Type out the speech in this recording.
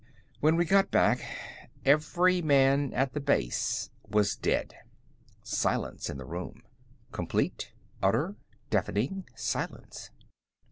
"When we got back, every man at the base was dead." Silence in the room. Complete, utter, deafening silence.